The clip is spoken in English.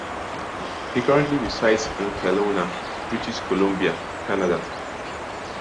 He currently resides in Kelowna, British Columbia, Canada.